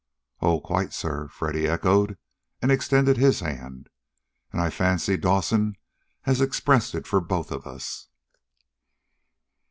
"Oh, quite, sir," Freddy echoed, and extended his hand. "And I fancy Dawson has expressed it for both of us."